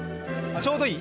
ちょうどいい？